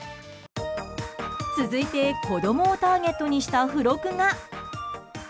続いて、子供をターゲットにした付録が。